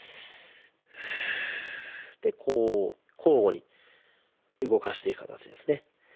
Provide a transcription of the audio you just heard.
こう交互に動かしていく形ですね。